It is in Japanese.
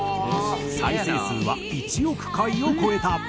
再生数は１億回を超えた。